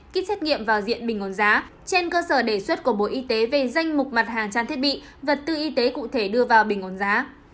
kit xét nghiệm vào diện bình ổn giá trên cơ sở đề xuất của bộ y tế về danh mục mặt hàng trang thiết bị vật tư y tế cụ thể đưa vào bình ổn giá